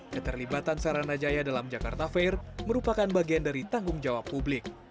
keterlibatan sarana jaya dalam jakarta fair merupakan bagian dari tanggung jawab publik